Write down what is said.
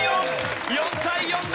４対４！